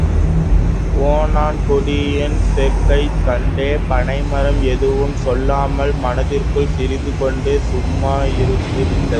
ஒணாங் கொடியின் செருக்கைக் கண்ட பனைமரம், எதுவும் சொல்லாமல் மனத்திற்குள் சிரித்துக்கொண்டு சும்மாயிருந்துவிட்டது.